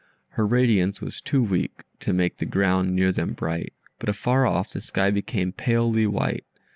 Her radiance was too weak to make the ground near them bright, but afar off the sky became palely white.